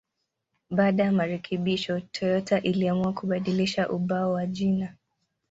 Baada ya marekebisho, Toyota iliamua kubadilisha ubao wa jina.